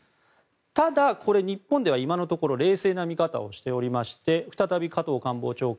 ただ、日本では今のところ冷静な見方をしていまして再び加藤官房長官